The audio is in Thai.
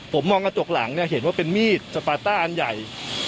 ผมมองกระจกหลังเนี่ยเห็นว่าเป็นมีดสปาต้าอันใหญ่